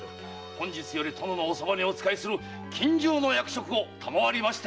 本日より殿のお側にお仕えする近習の役職を賜りましてございまする。